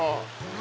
何？